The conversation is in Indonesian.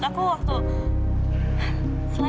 maaf ya aku gak sengaja